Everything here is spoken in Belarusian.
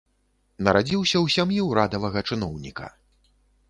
Нарадзіўся ў сям'і ўрадавага чыноўніка.